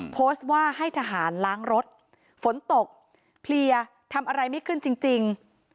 โพสต์ว่าให้ทหารล้างรถฝนตกเพลียทำอะไรไม่ขึ้นจริง